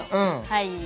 はい！